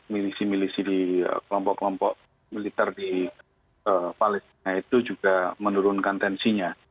milisi milisi di kelompok kelompok militer di palestina itu juga menurunkan tensinya